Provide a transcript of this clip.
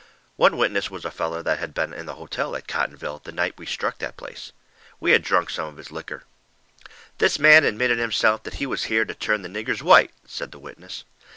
One witness was a feller that had been in the hotel at Cottonville the night we struck that place. We had drunk some of his licker. "This man admitted himself that he was here to turn the niggers white," said the witness.